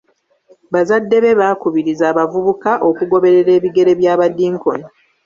Bazadde be baakubiriza abavubuka okugoberera ebigere by'abadinkoni.